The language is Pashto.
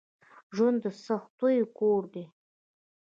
ژوند دسختیو کور دی